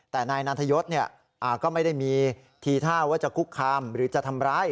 แต่นายนันทยศเนี่ยก็ไม่ได้มีทีท่าว่าจะคุกคำหรือจะทำไร